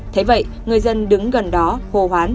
thế vậy người dân đứng gần đó hồ hoán